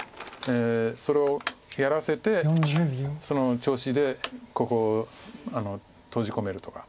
それをやらせてその調子でここを閉じ込めるとか。